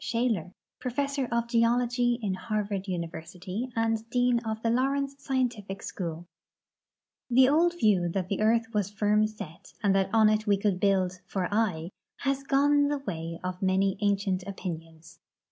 Shaler, Professor of Geology in Harvard University and Dean of the Lawrence Scientific School The old view that the earth was firm set and that on it we could build " for aye " has gone the way of many ancient opinions.